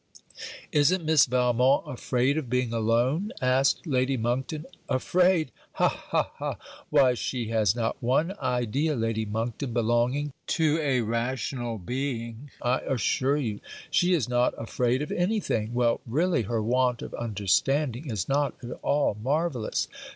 'Isn't Miss Valmont afraid of being alone?' asked Lady Monkton. 'Afraid! Ha! ha! ha! why, she has not one idea, Lady Monkton, belonging to a rational being I assure you: She is not afraid of any thing. Well, really her want of understanding is not at all marvellous.